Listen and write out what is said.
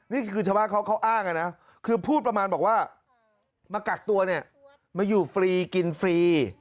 นี่คือชาวบ้านเขาอ้างนะคือพูดประมาณบอกว่ามากักตัวเนี่ยมาอยู่ฟรีกินฟรี